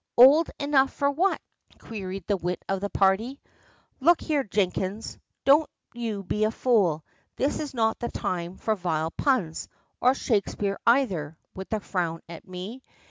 '" "Old enough for what?" queried the wit of the party. "Look here, Jenkins, don't you be a fool; this is not the time for vile puns, or Shakspeare either," with a frown at me.